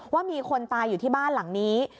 ว่ามีคนตายอยู่ที่บ้านหลังนี้